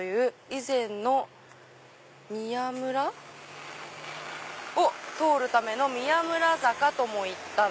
以前の宮村を通るため宮村坂ともいった」。